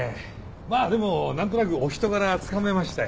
まあでも何となくお人柄はつかめましたよ。